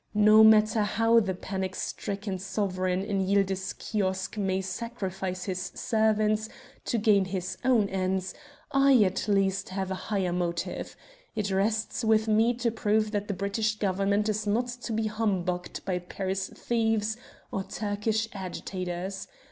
No matter how the panic stricken sovereign in Yildiz Kiosk may sacrifice his servants to gain his own ends, I, at least, have a higher motive. It rests with me to prove that the British Government is not to be humbugged by Paris thieves or Turkish agitators.